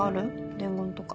伝言とか。